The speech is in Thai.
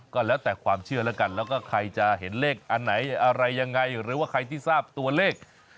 ก็แล้วแต่ความเชื่อแล้วกันแล้วก็ใครจะเห็นเลขอันไหนอะไรยังไงหรือว่าใครที่ทราบตัวเลข